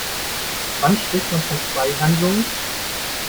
Wann spricht man von zwei Handlungen?